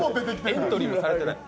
エントリーもされてない？